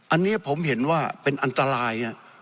อันนี้ผมเห็นว่าเป็นอันตราย